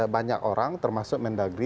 banyak orang termasuk mendagri